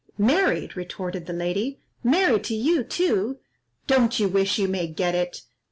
"Married!" retorted the lady, "married to you too! Don't you wish you may get it?